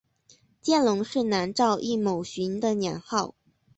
见龙是南诏异牟寻的年号。